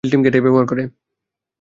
Seal team কি এটাই ব্যবহার করে?